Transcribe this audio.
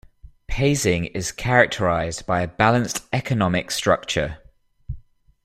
Pasing is characterized by a balanced economic structure.